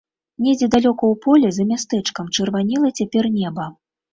Недзе далёка ў полі за мястэчкам чырванела цяпер неба.